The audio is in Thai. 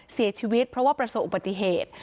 เสียชีวิตเพราะว่าประสบอุบัติเหตุ